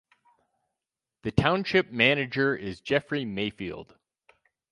The Township Manager is Jeffrey Mayfield.